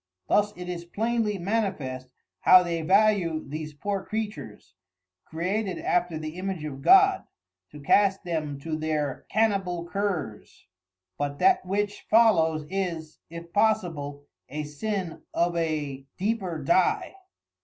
Thus it is plainly manifest how they value these poor Creatures, created after the image of God, to cast them to their Canibal Curs. But that which follows is (if possible) a sin of a deeper dye.